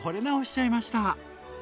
直しちゃいました！